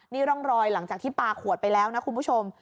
นี่ร่องรอยหลังจากที่ปลาขวดไปแล้วนะคุณผู้ชม